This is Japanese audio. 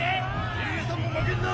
じいさんも負けんな！